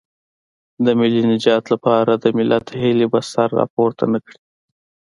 د ملي نجات لپاره د ملت هیلې به سر راپورته نه کړي.